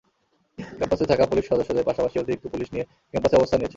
ক্যাম্পাসে থাকা পুলিশ সদস্যদের পাশাপাশি অতিরিক্ত পুলিশ গিয়ে ক্যাম্পাসে অবস্থান নিয়েছে।